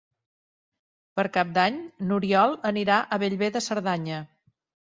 Per Cap d'Any n'Oriol anirà a Bellver de Cerdanya.